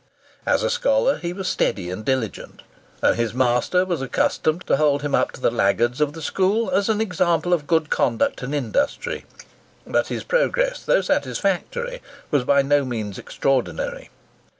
As a scholar he was steady and diligent, and his master was accustomed to hold him up to the laggards of the school as an example of good conduct and industry. But his progress, though satisfactory, was by no means extraordinary.